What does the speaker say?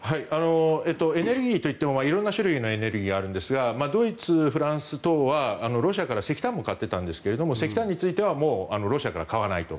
エネルギーといっても色んな種類のエネルギーがあるんですがドイツ、フランス等はロシアから石炭も買っていたんですが石炭についてはもうロシアから買わないと。